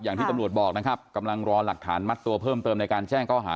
อย่างที่ตำรวจบอกนะครับกำลังรอหลักฐานมัดตัวเพิ่มเติมในการแจ้งข้อหา